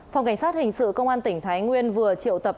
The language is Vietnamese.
phòng cảnh sát hình sự công an tỉnh thái nguyên vừa triệu tập